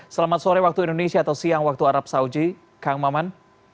selamat sore waktu indonesia atau siang waktu arab saudi kang maman